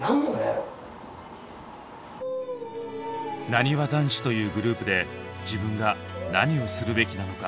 「なにわ男子」というグループで自分が何をするべきなのか？